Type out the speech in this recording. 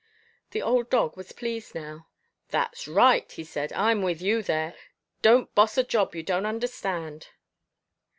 The old dog was pleased now. "That's right," he said, "I'm with you there. Don't boss a job you don't understand."